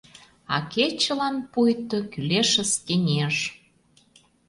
А кечылан пуйто кӱлешыс кеҥеж